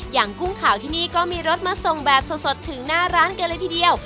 กุ้งขาวที่นี่ก็มีรถมาส่งแบบสดถึงหน้าร้านกันเลยทีเดียว